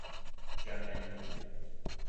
鹹鰱魚